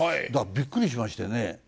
だからびっくりしましてね。